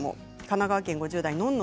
神奈川県５０代の方。